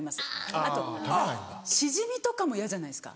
あとシジミとかも嫌じゃないですか？